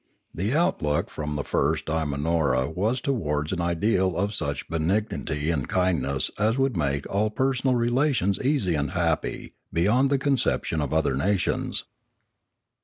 The out look from the first Imanora was towards an ideal of such benignity and kindliness as would make all per sonal relations easy and happy beyond the conception of other nations.